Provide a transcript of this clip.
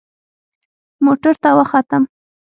موټر ته وختم.